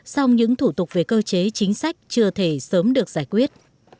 song những thủ tục về cơ chế chính sách chưa thể sớm được giải quyết